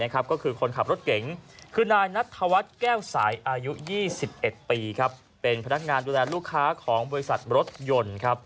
ก็คือคนขับรถเก๋งคือนายนัทธวัฒน์แก้วสายอายุ๒๑ปีเป็นพนักงานดูแลลูกค้าของบริษัทรถยนต์